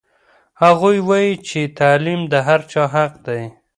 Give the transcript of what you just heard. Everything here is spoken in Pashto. هغوی وایي چې تعلیم د هر چا حق دی.